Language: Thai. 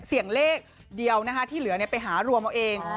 เสี่ยงเลขเดียวนะคะที่เหลือไปหารวมเอาเอง